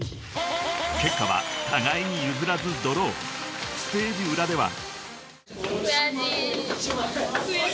［結果は互いに譲らずドロー］［ステージ裏では］